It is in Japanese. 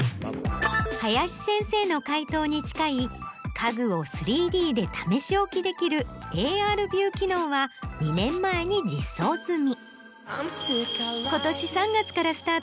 林先生の回答に近い家具を３Ｄで試し置きできるＡＲビュー機能は２年前に実装済み。